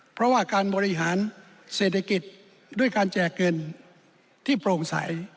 เพราะว่าการบริหารเศรษฐกิจด้วยการแจกเงินที่โปร่งใส